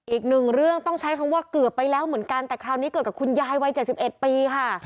อีกหนึ่งเรื่องต้องใช้คำว่าเกือบไปแล้วเหมือนกันแต่คราวนี้เกิดกับคุณยายวัย๗๑ปีค่ะ